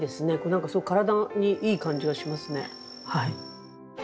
何かすごく体にいい感じがしますねはい。